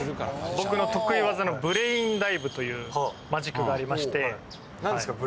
僕の得意技のブレインダイブというマジックがありまして何ですか？